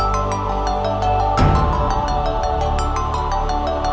kalian tidak akan bisa lari dari sini